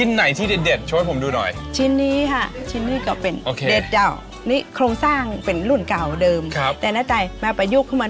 นี่เป็นชุดลาตรียาวนะครับผม